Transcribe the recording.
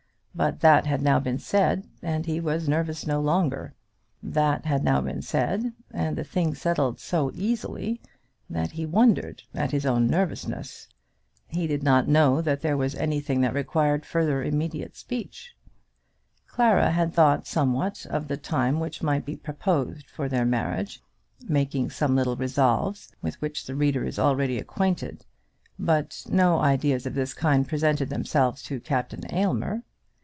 But that had now been said, and he was nervous no longer. That had now been said, and the thing settled so easily, that he wondered at his own nervousness. He did not know that there was anything that required much further immediate speech. Clara had thought somewhat of the time which might be proposed for their marriage, making some little resolves, with which the reader is already acquainted; but no ideas of this kind presented themselves to Captain Aylmer.